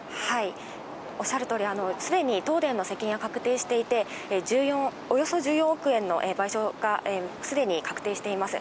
おっしゃるとおり、すでに東電の責任は確定していて、およそ１４億円の賠償がすでに確定しています。